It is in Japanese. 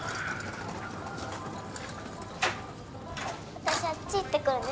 私あっち行ってくるね。